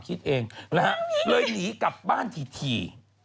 คิดเองนะฮะเลยหนีกลับบ้านที